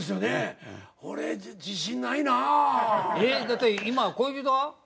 だって今恋人は？